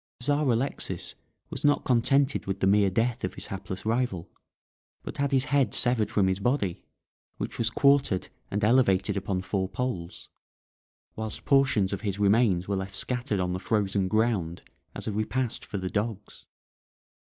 The Czar Alexis was not contented with the mere death of his hapless rival, but had his head severed from his body, which was quartered and elevated upon four poles, whilst portions of his remains were left scattered on the frozen ground as a repast for the dogs.